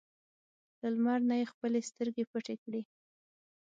له لمر نه یې خپلې سترګې پټې کړې.